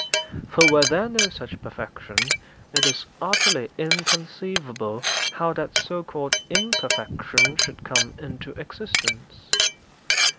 For were there no such perfection, it is utterly inconceivable how that so called _im_perfection should come into existence.